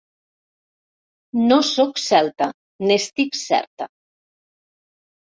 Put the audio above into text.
No sóc celta, n'estic certa.